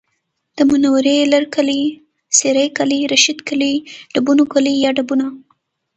د منورې لرکلی، سېرۍ کلی، رشید کلی، ډبونو کلی یا ډبونه